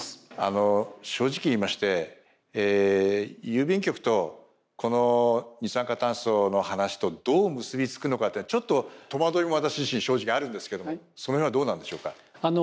正直言いまして郵便局とこの二酸化炭素の話とどう結び付くのかってちょっと戸惑いも私自身正直あるんですけどもその辺はどうなんでしょうか？